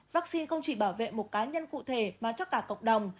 vaccine không chỉ bảo vệ một cá nhân cụ thể mà cho cả cộng đồng